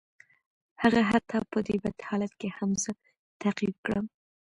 هغه حتی په دې بد حالت کې هم زه تعقیب کړم